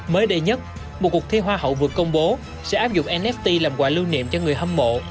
mới đây nhất một cuộc thi hoa hậu vừa công bố sẽ áp dụng nft làm quà lưu niệm cho người hâm mộ